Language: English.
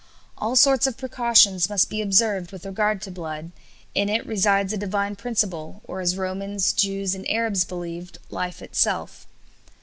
All sorts of precautions must be observed with regard to blood; in it resides a divine principle, or as Romans, Jews, and Arabs believed, life itself.